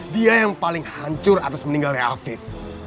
dia yang paling hancur atas meninggalnya afif